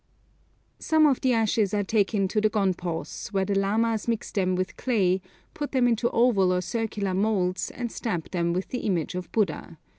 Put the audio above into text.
Some of the ashes are taken to the gonpos, where the lamas mix them with clay, put them into oval or circular moulds, and stamp them with the image of Buddha.